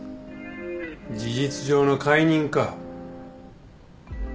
事実上の解任か。